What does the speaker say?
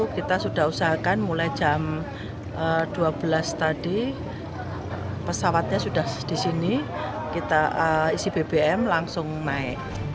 kita sudah usahakan mulai jam dua belas tadi pesawatnya sudah di sini kita isi bbm langsung naik